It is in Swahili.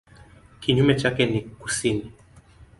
Kinyume chake ni kusini.